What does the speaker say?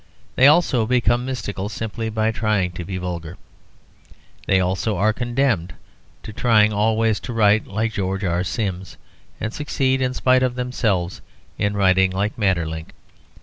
They also become mystical, simply by trying to be vulgar. They also are condemned to be always trying to write like George R. Sims, and succeeding, in spite of themselves, in writing like Maeterlinck.